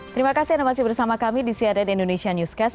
terima kasih anda masih bersama kami di cnn indonesia newscast